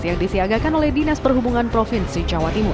yang disiagakan oleh dinas perhubungan provinsi jawa timur